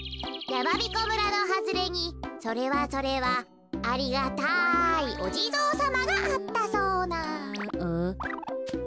やまびこ村のはずれにそれはそれはありがたいおじぞうさまがあったそうなうん？